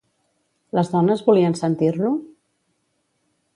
Les dones volien sentir-lo?